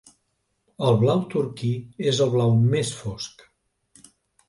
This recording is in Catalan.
El blau turquí és el blau més fosc.